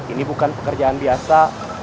ini bukan pekerjaan biasa